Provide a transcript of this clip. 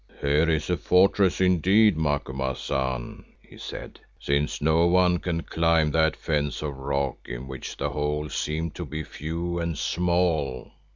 "Here is a fortress indeed, Macumazahn," he said, "since none can climb that fence of rock in which the holes seem to be few and small."